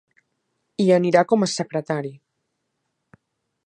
Hi anirà com a secretari.